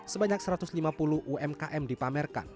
sebanyak satu ratus lima puluh umkm dipamerkan